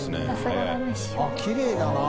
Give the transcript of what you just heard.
あっきれいだな。